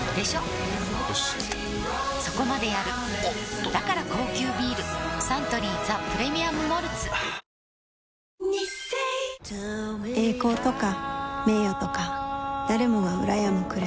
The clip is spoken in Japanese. しっそこまでやるおっとだから高級ビールサントリー「ザ・プレミアム・モルツ」はあーどういうこと？